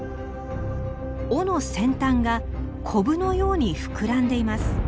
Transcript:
尾の先端がこぶのように膨らんでいます。